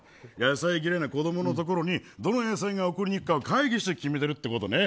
野菜嫌いな子供のところにどの野菜が怒りに行くかを会議して決めてるってことね。